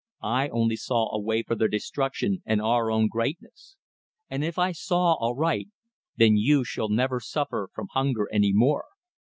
"I only saw a way for their destruction and our own greatness. And if I saw aright, then you shall never suffer from hunger any more.